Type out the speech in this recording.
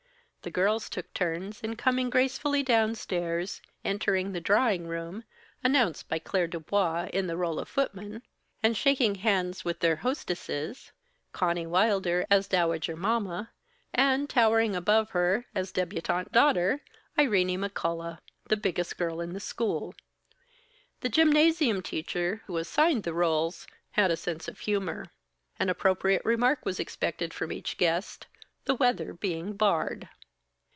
The girls took turns in coming gracefully downstairs, entering the drawing room, announced by Claire du Bois in the rôle of footman, and shaking hands with their hostesses Conny Wilder, as dowager mama, and towering above her, as débutante daughter, Irene McCullough, the biggest girl in the school. The gymnasium teacher who assigned the rôles, had a sense of humor. An appropriate remark was expected from each guest, the weather being barred.